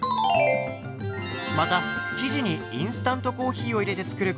また生地にインスタントコーヒーを入れて作ることもできます。